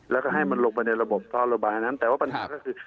แล้วก็ให้มันลงไปในระบบท่อระบายนั้นแต่ว่าปัญหาก็คือ